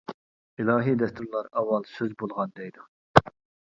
ئىلاھىي دەستۇرلار «ئاۋۋال سۆز بولغان» دەيدۇ.